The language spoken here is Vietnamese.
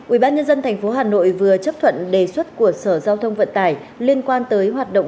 ủy ban nhân dân tp hà nội vừa chấp thuận đề xuất của sở giao thông vận tải liên quan tới hoạt động